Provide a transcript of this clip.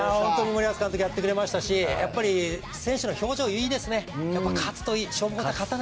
森保監督やってくれましたし選手の表情いいですね。